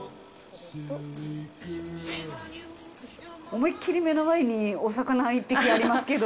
思いっきり目の前にお魚１匹ありますけど。